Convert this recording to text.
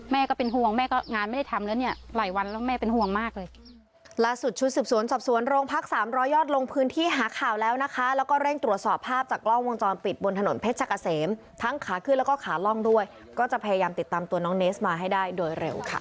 แม่ก็เป็นห่วงงานไม่ได้ทำแล้วหลายวันแล้วแม่เป็นห่วงมากเลย